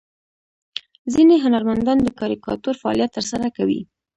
ځینې هنرمندان د کاریکاتور فعالیت ترسره کوي.